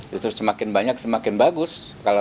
justru semakin banyak semakin bagus